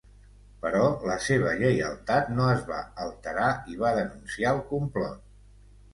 Però la seva lleialtat no es va alterar i va denunciar el complot.